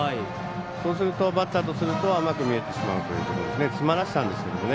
そうするとバッターとすると甘く見えてしまうというところですね。